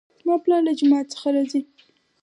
زما پلار له جومات څخه راځي